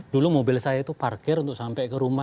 dulu mobil saya itu parkir untuk sampai ke rumah